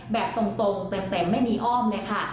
แบบตรงเต็มไม่มีอ้อมเลยค่ะ